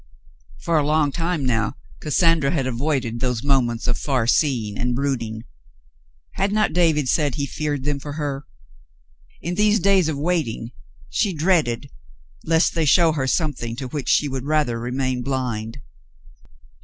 For a long time now, Cassandra had avoided those moments of far seeing and brooding. Had not David said he feared them for her ? In these days of waiting, she dreaded lest they show her something to which she would rather remain blind.